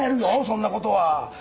そんなことは。なあ！